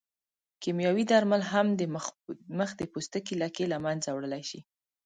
کیمیاوي درمل هم د مخ د پوستکي لکې له منځه وړلی شي.